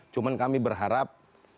cuman kami berharap